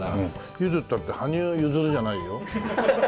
「ゆず」ったって羽生結弦じゃないよ。